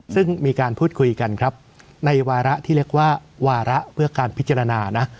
ซึ่งมีการพูดคุยกันครับในวาระที่เรียกว่าวาระเพื่อการพิจารณานะ